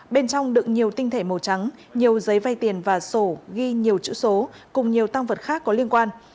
bên trong đựng nhiều tinh thể màu trắng nhiều giấy vay tiền và sổ ghi nhiều chữ số cùng nhiều tăng vật khác có liên quan